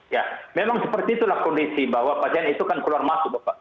ya memang seperti itulah kondisi bahwa pasien itu kan keluar masuk bapak